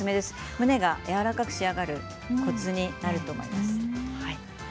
むね肉がやわらかく仕上がるコツになると思います。